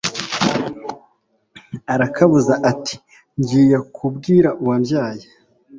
arakabuza ati ngiye kubwira uwambyaye